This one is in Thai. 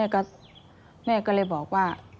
ปกติแม่ก็เลยบอกว่า